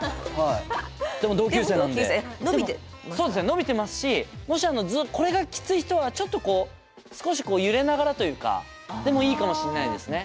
伸びてますしもしこれがきつい人はちょっとこう少し揺れながらというかでもいいかもしんないですね。